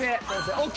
ＯＫ。